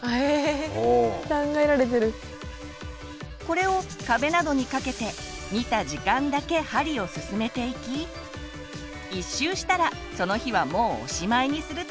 これを壁などにかけて見た時間だけ針を進めていき１周したらその日はもうおしまいにするというわけ。